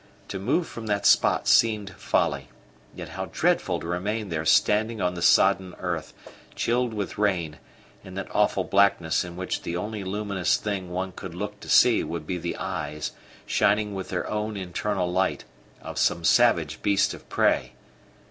To move from that spot seemed folly; yet how dreadful to remain there standing on the sodden earth, chilled with rain, in that awful blackness in which the only luminous thing one could look to see would be the eyes, shining with their own internal light, of some savage beast of prey!